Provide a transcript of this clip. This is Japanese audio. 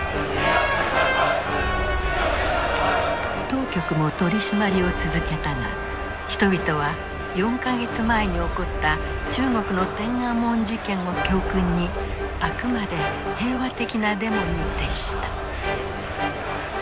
当局も取締りを続けたが人々は４か月前に起こった中国の天安門事件を教訓にあくまで平和的なデモに徹した。